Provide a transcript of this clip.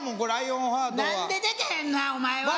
何ででけへんなお前は！